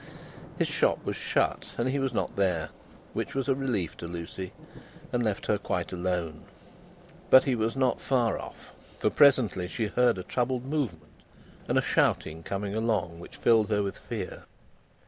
His shop was shut and he was not there, which was a relief to Lucie, and left her quite alone. But, he was not far off, for presently she heard a troubled movement and a shouting coming along, which filled her with fear.